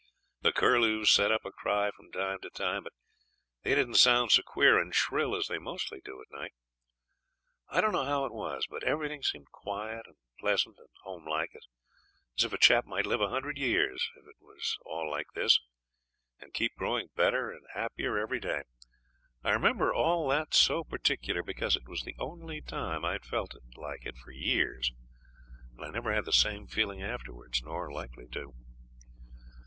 The curlews set up a cry from time to time; but they didn't sound so queer and shrill as they mostly do at night. I don't know how it was, but everything seemed quiet and pleasant and homelike, as if a chap might live a hundred years, if it was all like this, and keep growing better and happier every day. I remember all this so particular because it was the only time I'd felt like it for years, and I never had the same feeling afterwards nor likely to.